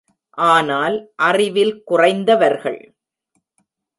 ஆனால் அறிவில் குறைந்தவர்கள்.